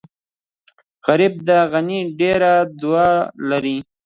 غریب د غني نه ډېره دعا لري